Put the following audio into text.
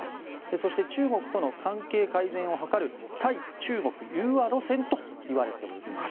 そして、中国との関係改善を図る対中国融和路線といわれています。